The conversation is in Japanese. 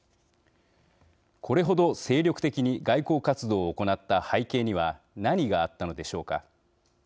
これほど精力的に外交活動を行った背景には何があったのでしょうか。